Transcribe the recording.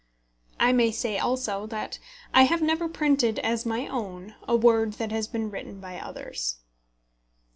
I may say also that I have never printed as my own a word that has been written by others.